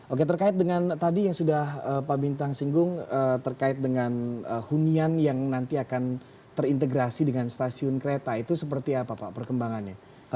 oke terkait dengan tadi yang sudah pak bintang singgung terkait dengan hunian yang nanti akan terintegrasi dengan stasiun kereta itu seperti apa pak perkembangannya